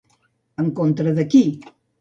En contra de qui?